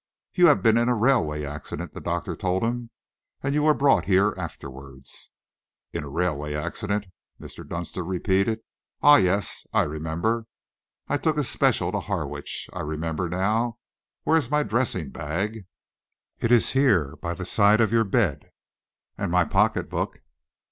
"You have been in a railway accident," the doctor told him, "and you were brought here afterwards." "In a railway accident," Mr. Dunster repeated. "Ah, yes, I remember! I took a special to Harwich I remember now. Where is my dressing bag?" "It is here by the side of your bed." "And my pocket book?"